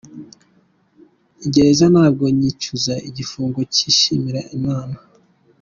"Gereza ntabwo nyicuza; Igifungo ngishimira Imana".